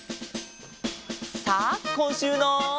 さあこんしゅうの。